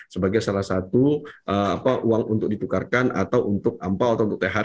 sebagai salah satu uang untuk ditukar